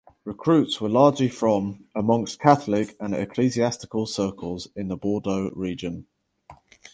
Recruits were largely from amongst Catholic and ecclesiastical circles in the Bordeaux region.